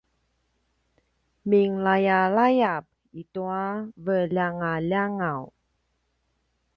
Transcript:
minglayalayap itua veljangaljangaw